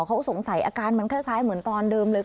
เขาสงสัยอาการมันคล้ายเหมือนตอนเดิมเลย